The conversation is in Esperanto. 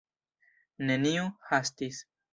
Neniu hastis.